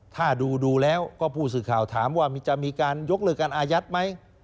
ถ้าดูแล้วก็ผู้สื่อข่าวถามว่าจะมีการยกเลิกการอายัดไหม